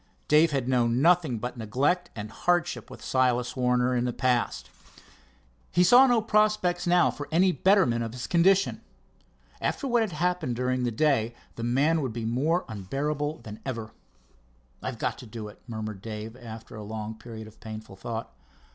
Dave had known nothing but neglect and hardship with Silas Warner in the past. He saw no prospects now of any betterment of his condition. After what had happened during the day the man would be more unbearable than ever. "I've got to do it," murmured Dave, after a long period of painful thought.